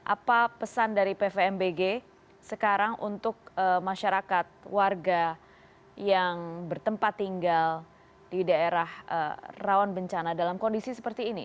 apa pesan dari pvmbg sekarang untuk masyarakat warga yang bertempat tinggal di daerah rawan bencana dalam kondisi seperti ini